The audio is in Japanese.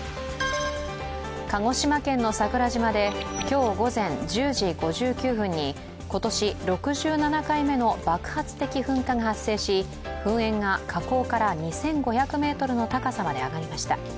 鹿児島県の桜島で今日午前１０時５９分に今年６７回目の爆発的噴火が発生し、噴煙が火口から２５００ｍの高さまで上がりました。